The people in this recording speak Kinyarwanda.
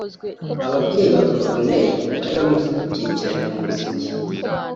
Ababyeyi ba Corneille bari bamushyigikiye cyane mu muziki